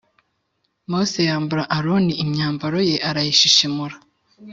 Mose yambura Aroni imyambaro ye arayishishimura